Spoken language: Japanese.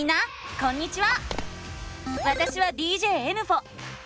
こんにちは！